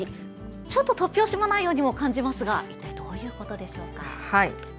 ちょっと突拍子もないようにも感じますが一体どういうことでしょうか。